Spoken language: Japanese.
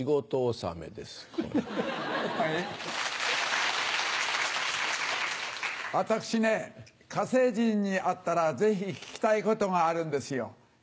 ・早えぇ・私ね火星人に会ったらぜひ聞きたいことがあるんですよ。